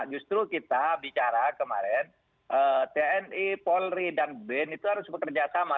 justru kita bicara kemarin tni polri dan bin itu harus bekerja sama